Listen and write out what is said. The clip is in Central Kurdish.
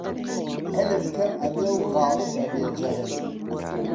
عیلم کەم ئەبێ و غاڵب ئەبێ جەهل